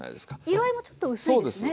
色合いもちょっと薄いですね。